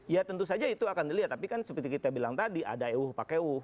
ya tentu saja itu akan terlihat tapi kan seperti kita bilang tadi ada ewu pakewu